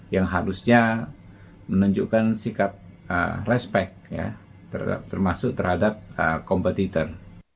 yang harusnya menunjukkan sikap respect termasuk terhadap kompetitor